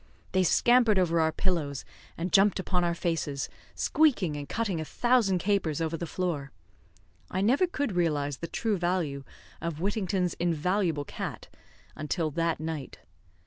They scampered over our pillows, and jumped upon our faces, squeaking and cutting a thousand capers over the floor. I never could realise the true value of Whittington's invaluable cat until that night.